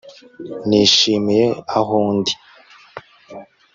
Nishimiye aho ndi